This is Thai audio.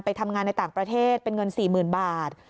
ทำงานในต่างประเทศเป็นเงิน๔๐๐๐บาท